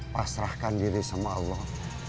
pasrahkan diri sama allah